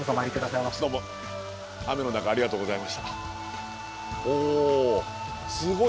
どうも雨の中ありがとうございました。